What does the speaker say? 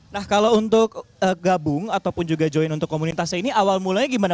nah kalau untuk gabung ataupun juga join untuk komunitasnya ini awal mulanya gimana